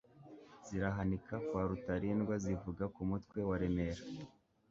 Zirahanika kwa RutarindwaZivuga ku mutwe wa Remera